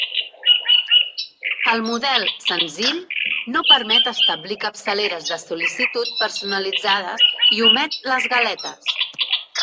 El model "senzill" no permet establir capçaleres de sol·licitud personalitzades i omet les galetes.